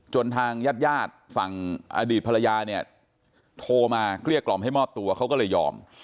จนทางย่าฝั่งอดีตภรรยาเนี่ยโทรมาเครียดกล่อมให้มอบตัวเขาก็เลยยอม